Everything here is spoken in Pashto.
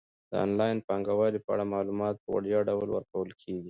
د انلاین بانکوالۍ په اړه معلومات په وړیا ډول ورکول کیږي.